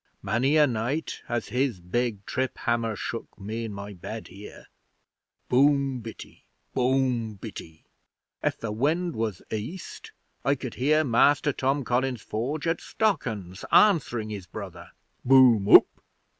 Many a night has his big trip hammer shook me in my bed here. Boom bitty! Boom bitty! If the wind was east, I could hear Master Tom Collins's forge at Stockens answering his brother, _Boom oop!